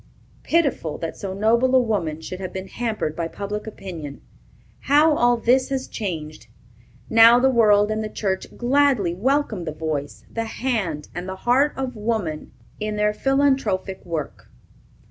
Pitiful, that so noble a woman should have been hampered by public opinion. How all this has changed! Now, the world and the church gladly welcome the voice, the hand, and the heart of woman in their philanthropic work.